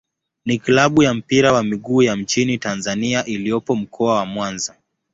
ni klabu ya mpira wa miguu ya nchini Tanzania iliyopo Mkoa wa Mwanza.